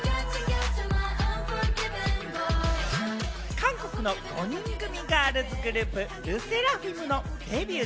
韓国の５人組ガールズグループ、ＬＥＳＳＥＲＡＦＩＭのデビュー